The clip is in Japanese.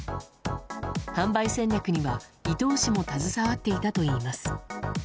販売戦略には伊東氏も携わっていたといいます。